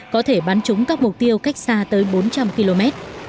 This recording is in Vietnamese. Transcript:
có thể bắn chúng các mục tiêu cách xa tới bốn trăm linh km